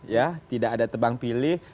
ya tidak ada tebang pilih